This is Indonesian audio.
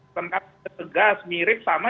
tetap tegas mirip sama